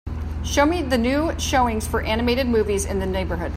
Show me the new showings for animated movies in the neighborhood